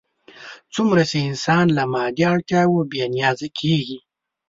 څومره چې انسان له مادي اړتیاوو بې نیازه کېږي.